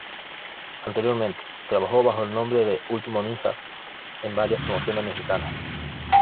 Anteriormente, trabajó bajo el nombre de Último Ninja en varias promociones mexicanas.